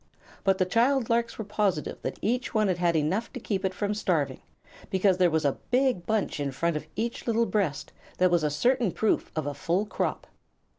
But the child larks were positive that each one had had enough to keep it from starving, because there was a big bunch in front of each little breast that was a certain proof of a full crop.